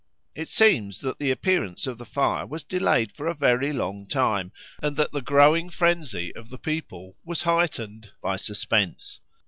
It seems that the appearance of the fire was delayed for a very long time, and that the growing frenzy of the people was heightened by suspense.